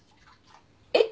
えっ？